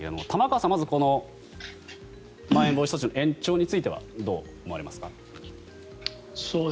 玉川さん、まずこのまん延防止措置の延長についてはどう思われますか。